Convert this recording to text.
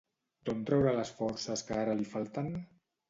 D'on traurà les forces que ara li falten?